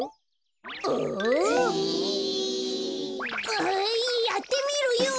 あやってみるよ！